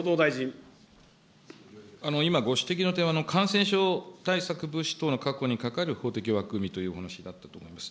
今、ご指摘の点は、感染症対策物資等の確保にかかる法的枠組みというお話だったかと思います。